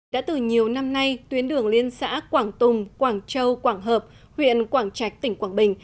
đã từ nhiều năm nay tuyến đường liên xã quảng tùng quảng châu quảng hợp huyện quảng trạch tỉnh quảng bình